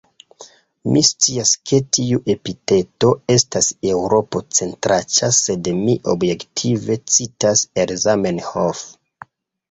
Mi scias, ke tiu epiteto estas eŭropo-centraĉa, sed mi objektive citas el Zamenhof.